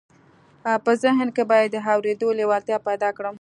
په ذهن کې به یې د اورېدو لېوالتیا پیدا کړم